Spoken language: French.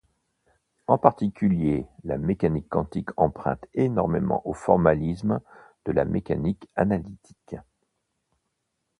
En particulier, la mécanique quantique emprunte énormément au formalisme de la mécanique analytique.